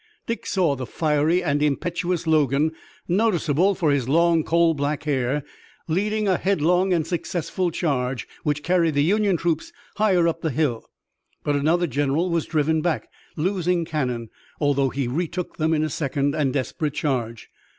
Dick saw the fiery and impetuous Logan, noticeable for his long coal black hair, lead a headlong and successful charge, which carried the Union troops higher up the hill. But another general was driven back, losing cannon, although he retook them in a second and desperate charge.